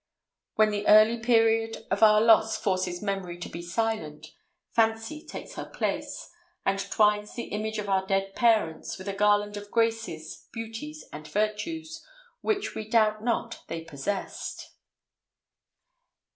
When the early period of our loss forces memory to be silent, fancy takes her place, and twines the image of our dead parents with a garland of graces, beauties, and virtues, which we doubt not they possessed.